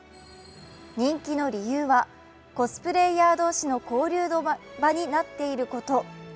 人気の理由は、コスプレーヤー同士の交流の場になっていること。